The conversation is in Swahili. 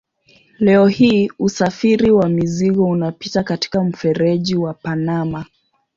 Leo hii usafiri wa mizigo unapita katika mfereji wa Panama.